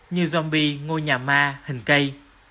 như zombie ngôi nhà ma hình cây